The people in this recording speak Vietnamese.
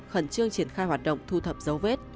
khẩn trương triển khai hoạt động thu thập dấu vết